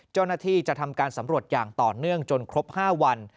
เจ้าหน้าที่จะทำการสำรวจอย่างต่อเนื่องจนครบ๕วัน